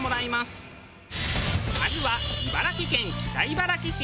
まずは茨城県北茨城市。